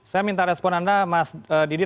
saya minta respon anda mas didi